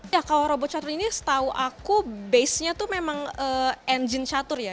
ya kalau robot catur ini setahu aku basenya tuh memang enjin catur ya